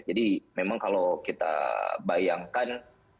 jadi memang kalau kita bayangkan